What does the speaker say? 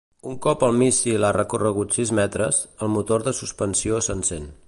Un cop el míssil ha recorregut sis metres, el motor de suspensió s'encén.